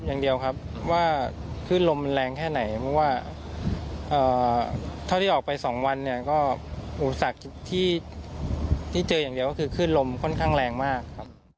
อย่างเดียวครับว่าขึ้นลมมันแรงแค่ไหนเพราะว่าเท่าที่ออกไปสองวันเนี่ยก็อุปสรรคที่เจออย่างเดียวก็คือคลื่นลมค่อนข้างแรงมากครับ